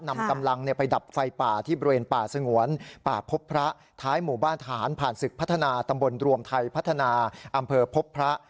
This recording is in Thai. นำกำลังไปดับไฟป่าที่บริเวณป่าสงวนป่าพบพระท้ายหมู่บ้านทหารผ่านศึกพัฒนาตำบลรวมไทยพัฒนาอำเภอพบพระ